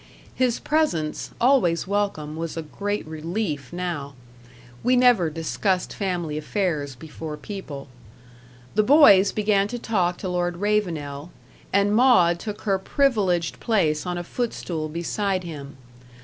His presence, always welcome, was a great relief now. We never discussed family affairs before people. The boys began to talk to Lord Ravenel: and Maud took her privileged place on a footstool beside him.